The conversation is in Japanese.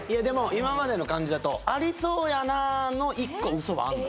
今までの感じだとありそうやなの１個嘘はあるの・